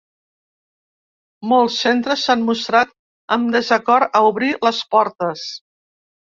Molts centres s’han mostrat amb desacord a obrir les portes.